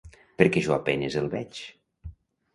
Perquè jo a penes el veig...